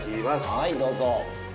はいどうぞ。